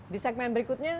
di segmen berikutnya